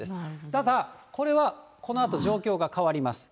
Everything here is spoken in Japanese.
ただこれはこのあと状況が変わります。